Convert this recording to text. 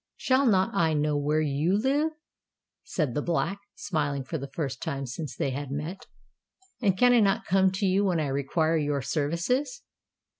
"Shall not I know where you live?" said the Black, smiling for the first time since they had met: "and can I not come to you when I require your services?